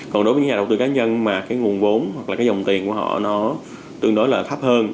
còn đối với nhà đầu tư cá nhân mà cái nguồn vốn hoặc là cái dòng tiền của họ nó tương đối là thấp hơn